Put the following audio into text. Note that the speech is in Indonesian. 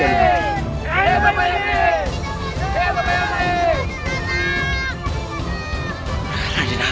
hei bapak ibu hei bapak ibu